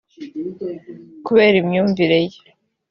kubera imyumvire ye